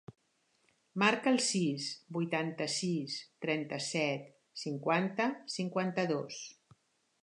Marca el sis, vuitanta-sis, trenta-set, cinquanta, cinquanta-dos.